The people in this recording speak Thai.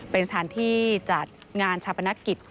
เป็นสถานที่จัดงานชาปนกิจ